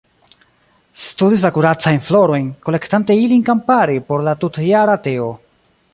Studis la kuracajn florojn, kolektante ilin kampare por la tutjara teo.